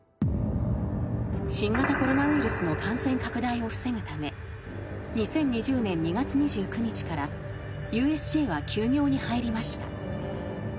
［新型コロナウイルスの感染拡大を防ぐため２０２０年２月２９日からＵＳＪは休業に入りました］